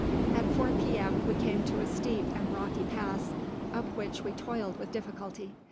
At 4 P.M. we came to a steep and rocky pass, up which we toiled with difficulty.